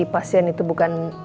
pasien itu bukan